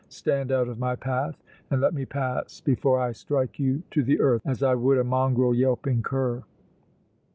Stand out of my path and let me pass before I strike you to the earth as I would a mongrel, yelping cur!"